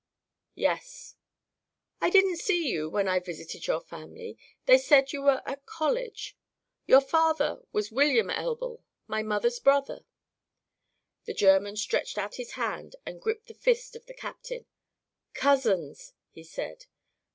"Yes." "I didn't see you when I visited your family. They said you were at college. Your father was William Elbl, my mother's brother." The German stretched out his hand and gripped the fist of the captain. "Cousins," he said.